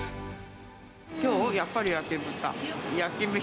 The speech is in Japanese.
きょう、やっぱり焼き豚。